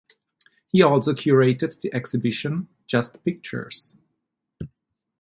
He also curated the exhibition "Just Pictures".